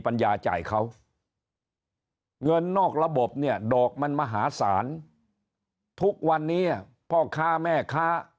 ปัญญาจ่ายเขาเงินนอกระบบเนี่ยดอกมันมหาศาลทุกวันนี้พ่อค้าแม่ค้า